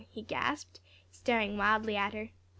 he gasped, staring wildly at her.